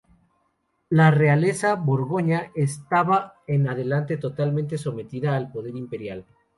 La realeza borgoñona estaba en adelante totalmente sometida al poder imperial.